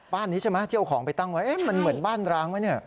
บ้านนี้ใช่ไหมที่เอาของไปตั้งไว้มันเหมือนบ้านร้างไหมเนี่ย